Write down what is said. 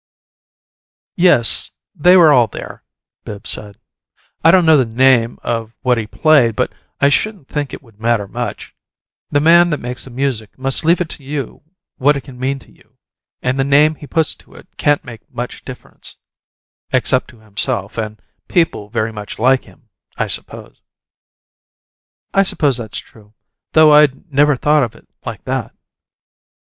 "Yes, they were all there," Bibbs said. "I don't know the name of what he played, but I shouldn't think it would matter much. The man that makes the music must leave it to you what it can mean to you, and the name he puts to it can't make much difference except to himself and people very much like him, I suppose." "I suppose that's true, though I'd never thought of it like that."